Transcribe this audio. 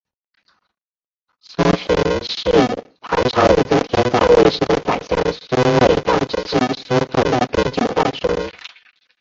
苏洵是唐朝武则天在位时的宰相苏味道之子苏份的第九代孙。